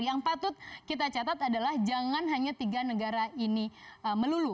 yang patut kita catat adalah jangan hanya tiga negara ini melulu